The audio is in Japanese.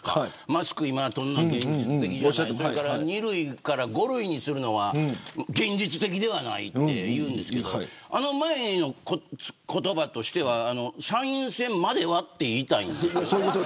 マスクを取るのは現実的じゃない２類から５類にするのは現実的ではないって言うんですけどあの前の言葉としては参院選まではと言いたいよね。